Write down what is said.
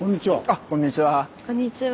あっこんにちは。